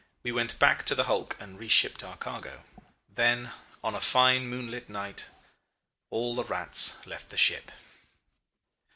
We went back to the hulk and re shipped our cargo. "Then on a fine moonlight night, all the rats left the ship.